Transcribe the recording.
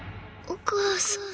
・お母さん。